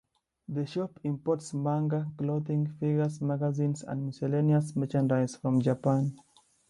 The shop imports manga, clothing, figures, magazines, and miscellaneous merchandise from Japan.